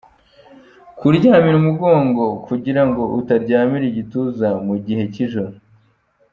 Kuryamira umugongo kugira ngo utaryamira igituza mu gihe cy’ijoro.